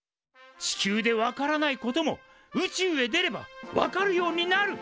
地球で分からないことも宇宙へ出れば分かるようになる。